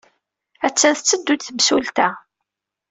Attan tetteddu-d temsulta.